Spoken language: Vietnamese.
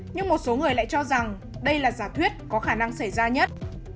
nhưng một số người lại cho rằng đây là giả thuyết có khả năng xảy ra nhất